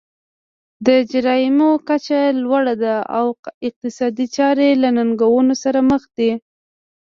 د جرایمو کچه لوړه ده او اقتصادي چارې له ننګونو سره مخ دي.